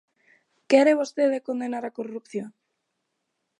¿Quere vostede condenar a corrupción?